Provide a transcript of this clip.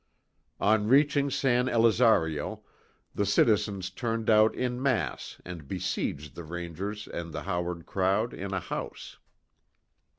On reaching San Elizario the citizens turned out in mass and besieged the Rangers and the Howard crowd, in a house.